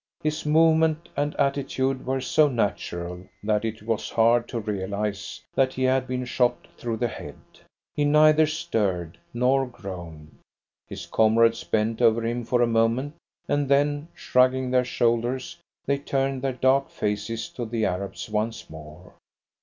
His movement and attitude were so natural that it was hard to realise that he had been shot through the head. He neither stirred nor groaned. His comrades bent over him for a moment, and then, shrugging their shoulders, they turned their dark faces to the Arabs once more.